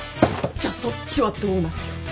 じゃあそっちはどうなのよ？